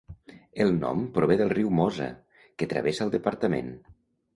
El nom prové del riu Mosa que travessa el departament.